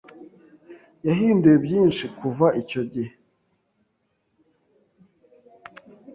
yahinduye byinshi kuva icyo gihe.